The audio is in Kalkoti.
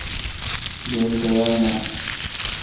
گیل تیار نان۔